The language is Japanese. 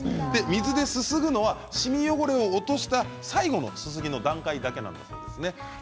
水ですすぐのはしみ汚れを落とした最後のすすぎの段階だけなんです。